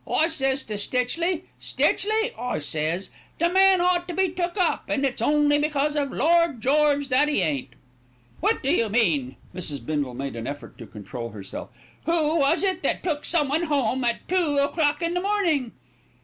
I says to Stitchley, 'Stitchley,' I says, 'that man ought to be took up, an' it's only because of Lord George that 'e ain't.'" "What do you mean?" Mrs. Bindle made an effort to control herself. "Who was it that took some one home at two o'clock in the morning?"